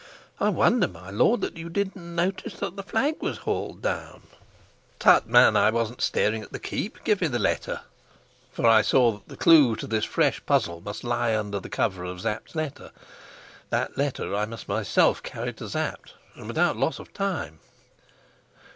I wonder, my lord, that you didn't notice that the flag was hauled down." "Tut, man, I wasn't staring at the keep. Give me the letter." For I saw that the clue to this fresh puzzle must lie under the cover of Sapt's letter. That letter I must myself carry to Sapt, and without loss of time.